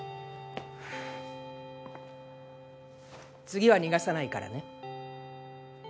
次は逃がさないからね。